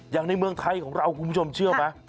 ในเมืองไทยของเราคุณผู้ชมเชื่อไหม